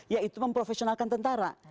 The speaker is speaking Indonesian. yaitu memprofesionalkan tentara